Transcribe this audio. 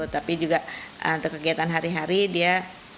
tapi juga untuk kegiatan hari hari dia